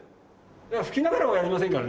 いや吹きながらはやりませんからね。